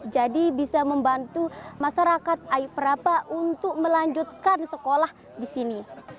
jadi bisa membantu masyarakat aiprapa untuk melanjutkan sekolah disini